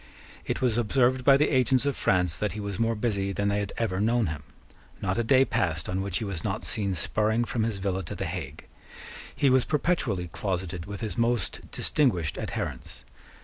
It was observed by the agents of France that he was more busy than they had ever known him. Not a day passed on which he was not seen spurring from his villa to the Hague. He was perpetually closeted with his most distinguished adherents.